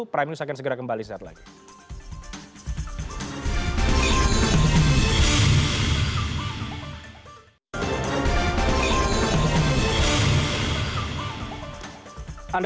prime news akan segera kembali saat lagi